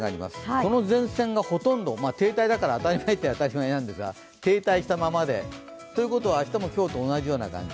この前線がほとんど、停滞だから当たり前といえば当たり前ですが停滞したままで、ということは明日も今日と同じような感じ。